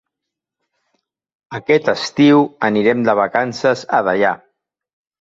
Aquest estiu anirem de vacances a Deià.